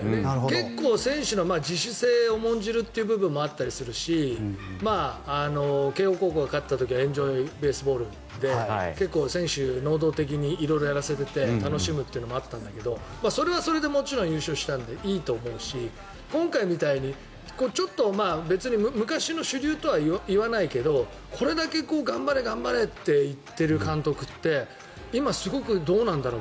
結構、選手の自主性を重んじる部分もあったりするし慶応高校が勝った時はエンジョイ・ベースボールで結構、選手に能動的に色々やらせていて楽しむというのもあったんだけどそれはそれでもちろん優勝したのでいいと思うし今回みたいにちょっと別に昔の主流とは言わないけどこれだけ頑張れ、頑張れって言ってる監督って今、すごくどうなんだろう